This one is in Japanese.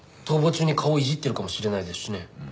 逃亡中に顔いじってるかもしれないですしね。